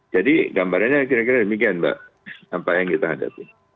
jadi gambarannya kira kira demikian mbak tanpa yang kita hadapi